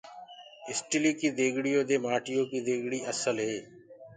اسٽيليِ ڪي ديگڙيو دي مآٽيو ڪي ديگڙي اسل هي۔